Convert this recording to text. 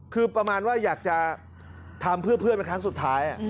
คือประมาณว่าอยากจะทำเพื่อเพื่อนเป็นครั้งสุดท้าย